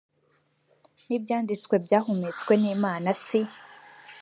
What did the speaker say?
n ibyanditswe byahumetswe n imana si